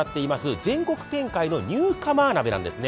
全国展開のニューカマー鍋なんですね。